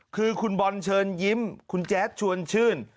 คือคุณบอลเชิญยิ้มคุณแจ๊ดชวนชื่น